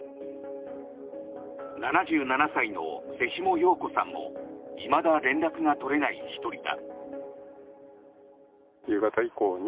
７７歳の瀬下陽子さんもいまだ連絡が取れない１人だ。